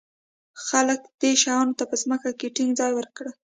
خلک دې شیانو ته په ځمکه کې ټینګ ځای ورکړ.